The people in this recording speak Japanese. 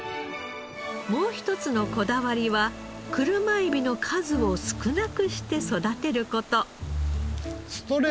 もう一つのこだわりは車エビの数を少なくして育てる事。